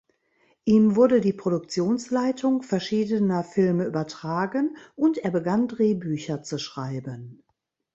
Ihm wurde die Produktionsleitung verschiedener Filme übertragen und er begann Drehbücher zu schreiben.